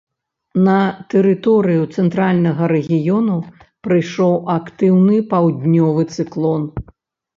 На тэрыторыю цэнтральнага рэгіёну прыйшоў актыўны паўднёвы цыклон.